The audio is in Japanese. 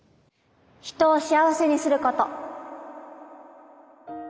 人を幸せにすること。